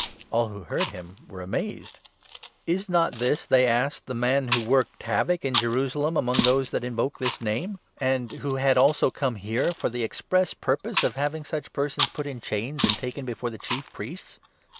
All who heard him were 21 amazed. " Is not this," they asked, " the man who worked havoc in Jerusalem among those that invoke this Name, and who had THE ACTS, 9. 231 also come here for the express purpose of having such persons put in chains and taken before the Chief Priests